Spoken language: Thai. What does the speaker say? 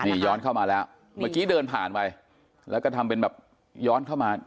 นี่ย้อนเข้ามาแล้วเมื่อกี้เดินผ่านไปแล้วก็ทำเป็นแบบย้อนเข้ามา